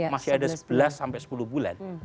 masih ada sebelas sampai sepuluh bulan